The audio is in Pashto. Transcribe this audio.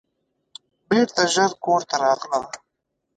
بیرته ژر کور ته راغلم.